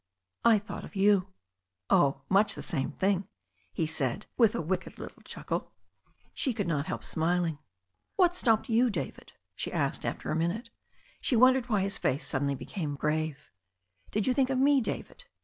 I thought of you." "Oh, much the same thing," he said, with a wicked little chuckle. She could not help smiling. "What stopped you, David?" she asked after a minute. She wondered why his face became suddenly grave. "Did you think of me, David?"